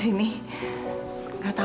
saya ingin dia arsenal